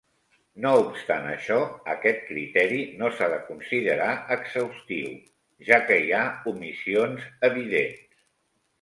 No obstant això, aquest criteri no s'ha de considerar exhaustiu, ja que hi ha omissions evidents.